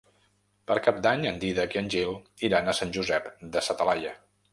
Per Cap d'Any en Dídac i en Gil iran a Sant Josep de sa Talaia.